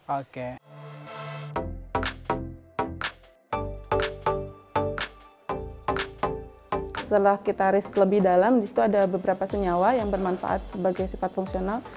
oke setelah kita risk lebih dalam disitu ada beberapa senyawa yang bermanfaat sebagai sifat fungsional